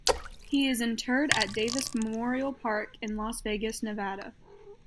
He is interred at Davis Memorial Park in Las Vegas, Nevada.